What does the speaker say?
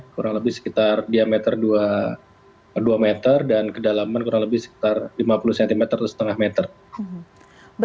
kurang lebih sekitar diameter dua meter dan kedalaman kurang lebih sekitar lima puluh cm atau setengah meter